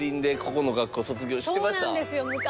そうなんですよ昔。